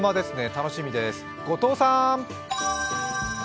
楽しみです、後藤さん！